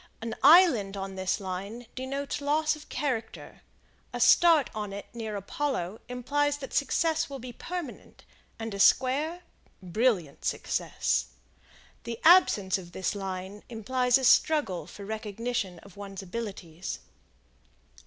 An island on this line denotes loss of character, a start on it near Apollo implies that success will be permanent, and a square, brilliant success. The absence of this line implies a struggle for recognition of one's abilities.